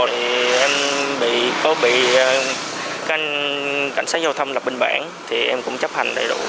thì em có bị cảnh sát giao thông lập biên bản thì em cũng chấp hành đầy đủ